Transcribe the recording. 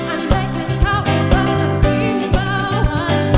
andai kata yang berpikir bau hati